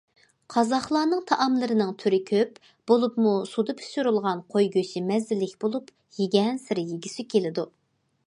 قازاقلارنىڭ تائاملىرىنىڭ تۈرى كۆپ، بولۇپمۇ سۇدا پىشۇرۇلغان قوي گۆشى مەززىلىك بولۇپ، يېگەنسېرى يېگۈسى كېلىدۇ.